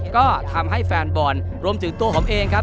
ก็ทำให้แฟนบอลรวมถึงตัวผมเองครับ